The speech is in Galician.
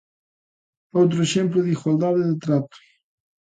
Outro exemplo de igualdade de trato.